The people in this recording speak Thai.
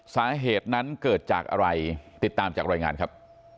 สาเหตุนั้นเกิดจากอะไรติดตามจากรายงานครับ